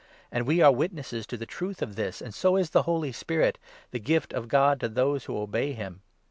And we are witnesses to 32 the truth of this, and so is the Holy Spirit — the gift of God to those who obey him."